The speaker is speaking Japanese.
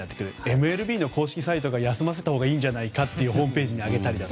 ＭＬＢの公式サイトが休ませたほうがいいんじゃないかってホームページにあげたりとか。